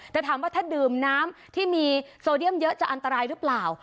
แต่ถามว่าถ้าดื่มน้ำที่มีโซเดียมเยอะจะอันตรายหรือเปล่า